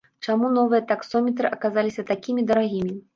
Чаму новыя таксометры аказаліся такімі дарагімі?